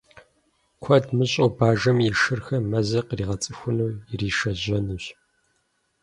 Куэд мыщӀэу бажэми и шырхэм мэзыр къаригъэцӏыхуну иришэжьэнущ.